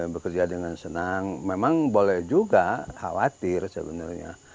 bekerja dengan senang memang boleh juga khawatir sebenarnya